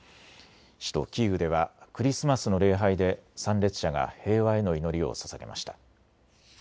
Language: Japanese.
首都キーウではクリスマスの礼拝で参列者が平和への祈りをささげました。